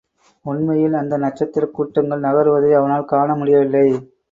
உண்மையில், அந்த நட்சத்திரக் கூட்டங்கள் நகருவதை அவனால் காணமுடியவில்லை.